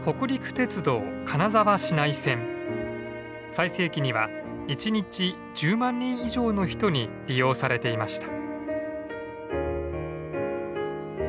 最盛期には１日１０万人以上の人に利用されていました。